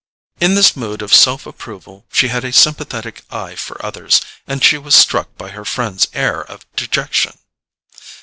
In this mood of self approval she had a sympathetic eye for others, and she was struck by her friend's air of dejection.